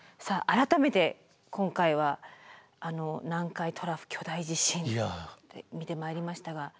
さあ改めて今回は南海トラフ巨大地震見てまいりましたが。